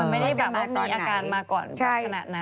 ไม่ได้แบบว่ามีอาการมาก่อนขนาดนั้น